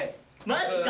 マジか！